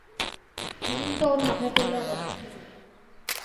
কুড়ুলটা ওর মাথায় পড়লে আর রক্ষা ছিল না।